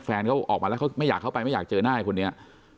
แฟนเขาออกมาแล้วเขาไม่อยากเข้าไปไม่อยากเจอหน้าไอ้คนนี้